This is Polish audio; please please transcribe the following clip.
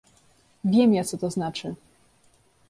"Wiem ja, co to znaczy!"